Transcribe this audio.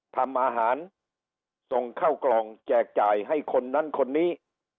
ทำอาหารส่งเข้ากล่องแจกจ่ายให้คนนั้นคนนี้